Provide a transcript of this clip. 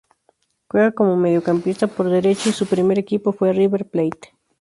Juega como mediocampista por derecha y su primer equipo fue River Plate.